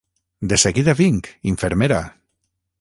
De seguida vinc, infermera!